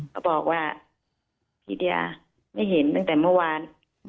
เขาบอกว่าพี่เดียไม่เห็นตั้งแต่เมื่อวาน